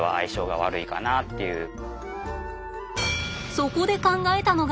そこで考えたのが